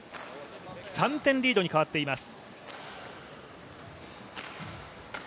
３点リードに変わっています。